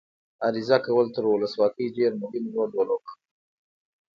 عریضه کول تر ولسواکۍ ډېر مهم رول ولوباوه.